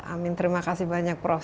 amin terima kasih banyak prof